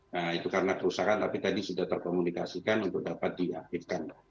nah itu karena kerusakan tapi tadi sudah terkomunikasikan untuk dapat diaktifkan